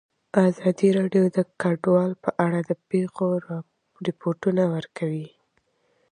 ازادي راډیو د کډوال په اړه د پېښو رپوټونه ورکړي.